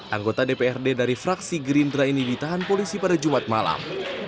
anggota dprd dari fraksi gerindra ini ditahan polisi pada jumat malam